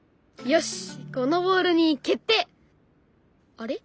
あれ？